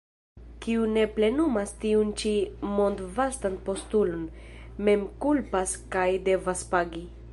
Kiu ne plenumas tiun ĉi mondvastan postulon, mem kulpas kaj devas pagi.